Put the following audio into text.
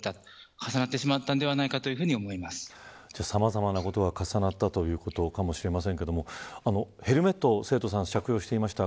重なってしまったのではないかとさまざまなことが重なったということかもしれませんがヘルメットを生徒さんは着用していました。